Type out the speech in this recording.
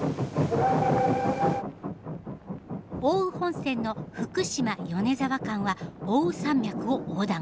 奥羽本線の福島米沢間は奥羽山脈を横断。